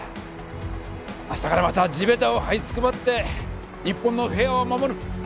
明日からまた地べたを這いつくばって日本の平和を守る！